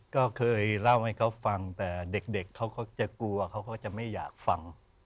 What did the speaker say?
ก็เคยเล่าให้เขาฟังแต่เด็กเขาก็จะกลัวเขาก็จะไม่อยากฟัง